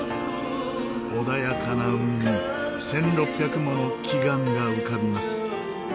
穏やかな海に１６００もの奇岩が浮かびます。